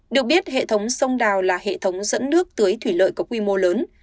được biết hệ thống sông đảo là hệ thống dẫn nước tới thủy lợi có quy mô lớn